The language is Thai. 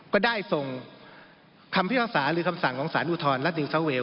ก็ได้ส่งคำพิพากษาหรือคำสั่งของสารอุทธรณรัฐนิวซาเวล